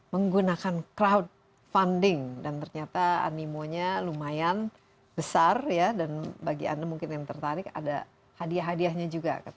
menggunakan crowdfunding dan ternyata animonya lumayan besar ya dan bagi anda mungkin yang tertarik ada hadiah hadiahnya juga